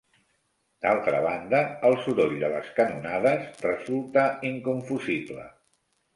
D'altra banda, el soroll de les canonades resulta inconfusible